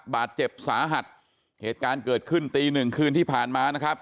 บาดเจ็บสาหัสเหตุการณ์เกิดขึ้นตีหนึ่งคืนที่ผ่านมานะครับ